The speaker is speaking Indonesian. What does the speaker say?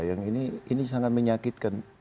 yang ini sangat menyakitkan